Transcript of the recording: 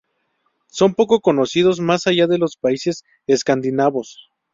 Son poco conocidos más allá de los países escandinavos.